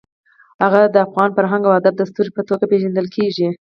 هغه د افغان فرهنګ او ادب د ستوري په توګه پېژندل کېږي.